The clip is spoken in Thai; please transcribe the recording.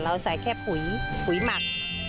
เราใส่แค่หุยหุยหมัก